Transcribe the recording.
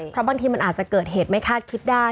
เพราะบางทีมันอาจจะเกิดเหตุไม่คาดคิดได้